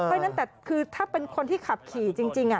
เพราะฉะนั้นแต่คือถ้าเป็นคนที่ขับขี่จริง